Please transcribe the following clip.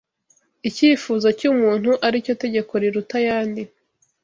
icyifuzo cy’umuntu ari cyo tegeko riruta ayandi